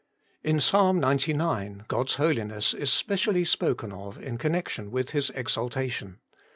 In Psalm xcix. God's Holiness is specially spoken of in connection with His exaltation.